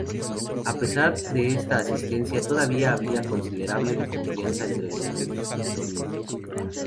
A pesar de esta asistencia, todavía había considerable desconfianza entre los dos dominios.